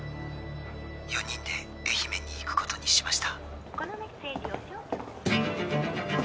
☎「四人で愛媛に行くことにしました」